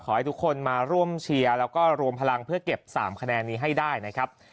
ขอให้ทุกคนมาร่วมเชียร์แล้วก็รวมพลังเพื่อเก็บ๓คะแนนนี้ให้ได้นะครับ